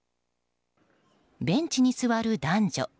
ベンチに座る男女。